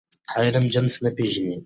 علم جنس نه پېژني.